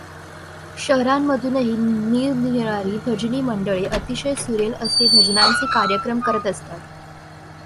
शहरांमधूनही निरनिराळी भजनी मंडळे अतिशय सुरेल असे भजनांचे कार्यक्रम करत असतात.